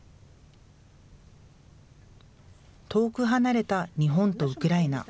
遠く離れた日本とウクライナ。